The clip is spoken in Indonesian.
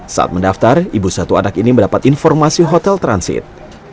saat mendaftar ibu satu anak ini mendapat informasi hotel transit